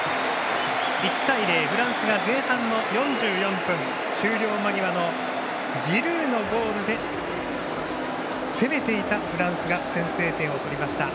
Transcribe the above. １対０、フランスが前半４４分終了間際のジルーのゴールで攻めていたフランスが先制点を取りました。